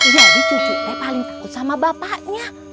jadi cucu teh paling takut sama bapaknya